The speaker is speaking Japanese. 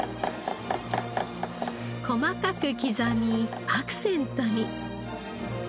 細かく刻みアクセントに。